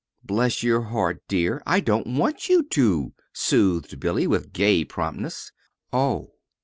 "Bless your heart, dear, I don't want you to," soothed Billy, with gay promptness. "Oh!